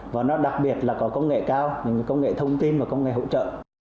và nó đặc biệt là có công nghệ cao những công nghệ thông tin và công nghệ hỗ trợ